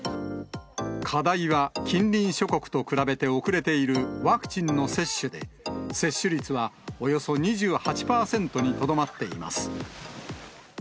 課題は、近隣諸国と比べて遅れているワクチンの接種で、接種率はおよそ２８％にとどまっています。